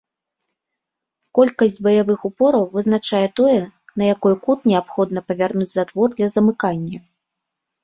Колькасць баявых упораў вызначае тое, на якой кут неабходна павярнуць затвор для замыкання.